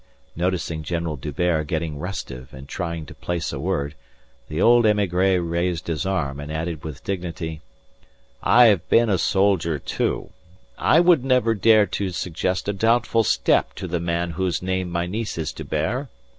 Noticing General D'Hubert getting restive and trying to place a word, the old émigré raised his arm and added with dignity: "I've been a soldier, too. I would never dare to suggest a doubtful step to the man whose name my niece is to bear.